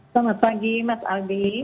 selamat pagi mas albi